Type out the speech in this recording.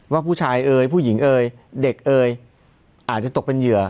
ว่าผู้ชายเอ๋ยผู้หญิงเอ่ยเด็กเอ่ยอาจจะตกเป็นเหยื่อ